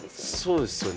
そうですよね。